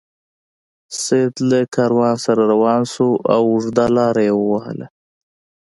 سید له کاروان سره روان شو او اوږده لار یې ووهله.